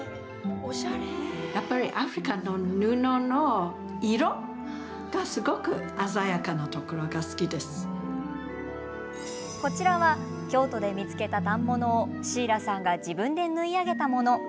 やっぱりアフリカの布のこちらは京都で見つけた反物をシーラさんが自分で縫い上げたもの。